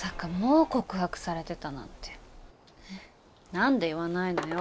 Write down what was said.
何で言わないのよ。